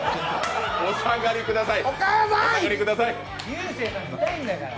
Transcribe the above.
お下がりください！